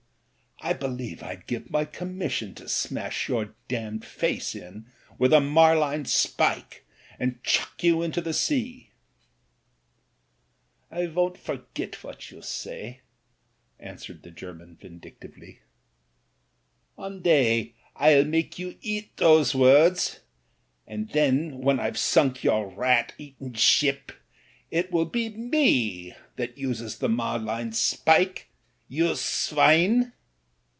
"I be 172 MEN, WOMEN AND GUNS lieve I'd give my commission to smash your damned face in with a marline spike and chuck you into the sea/' "I won't forget what you say," answered the Ger man vindictively, "One day I'll make you eat those words; and then when I've sunk your rat eaten ship, it will be me that uses the marline spike — ^you swine."